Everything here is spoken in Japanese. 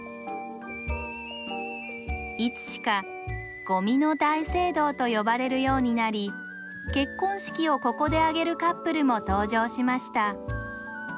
いつしかゴミの大聖堂と呼ばれるようになり結婚式をここで挙げるカップルも登場しました。